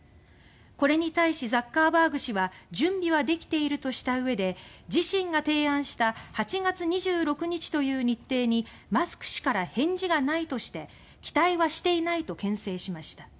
これに対しザッカーバーグ氏は「準備はできている」とした上で自身が提案した８月２６日という日程にマスク氏から返事がないとして「期待はしていない」と牽制しました。